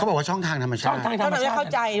เขาบอกว่าช่องทางธรรมชาติ